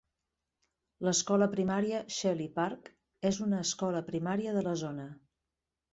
L'Escola Primària Shelly Park és una escola primària de la zona.